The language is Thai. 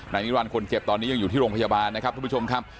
นิรันดิคนเจ็บตอนนี้ยังอยู่ที่โรงพยาบาลนะครับทุกผู้ชมครับ